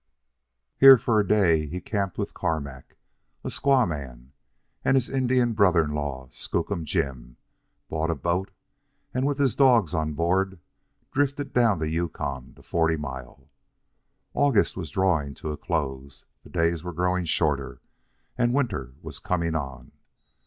Here for a day he camped with Carmack, a squaw man, and his Indian brother in law, Skookum Jim, bought a boat, and, with his dogs on board, drifted down the Yukon to Forty Mile. August was drawing to a close, the days were growing shorter, and winter was coming on.